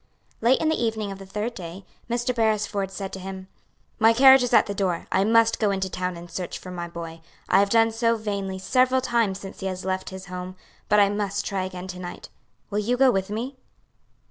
Late in the evening of the third day, Mr. Beresford said to him, "My carriage is at the door. I must go into town and search for my boy. I have done so vainly several times since he last left his home, but I must try again to night. Will you go with me?"